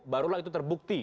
barulah itu terbukti